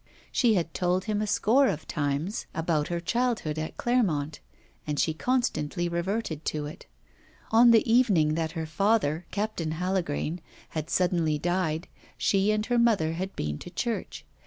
She had told him a score of times about her childhood at Clermont, and she constantly reverted to it. On the evening that her father, Captain Hallegrain, had suddenly died, she and her mother had been to church.